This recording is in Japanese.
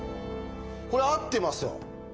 これ合ってますよ。